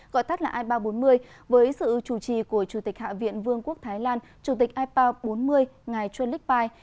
gọi tắt là ipa bốn mươi với sự chủ trì của chủ tịch hạ viện vương quốc thái lan chủ tịch ipa bốn mươi ngài junlik pai